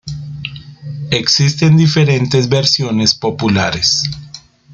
Existen diferentes versiones populares.